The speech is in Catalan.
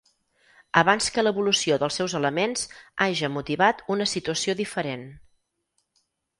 Abans que l'evolució dels seus elements haja motivat una situació diferent.